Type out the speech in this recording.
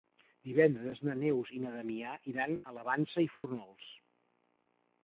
Divendres na Neus i na Damià iran a la Vansa i Fórnols.